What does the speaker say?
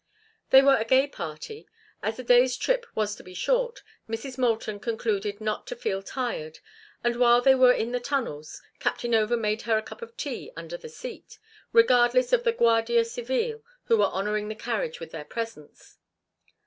They were a gay party. As the day's trip was to be short, Mrs. Moulton concluded not to feel tired, and while they were in the tunnels Captain Over made her a cup of tea under the seat, regardless of the Guardia Civile who were honoring the carriage with their presence.